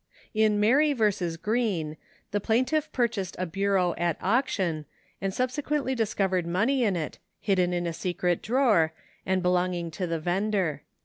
In Merry v. Oreen ^ the plaintiff purchased a bureau at auction, and sub sequently discovered money in it, hidden in a secret drawer and belonging to the vendor.